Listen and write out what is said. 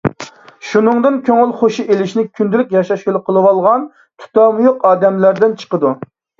شۇنىڭدىن كۆڭۈل خوشى ئېلىشنى كۈندىلىك ياشاش يولى قىلىۋالغان تۇتامى يوق ئادەملەردىن چىقىدۇ.